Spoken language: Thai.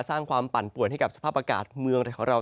สร้างความปั่นป่วนให้กับสภาพอากาศเมืองไทยของเรา